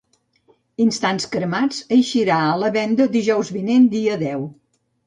Instants cremats eixirà a la venda dijous vinent, dia deu.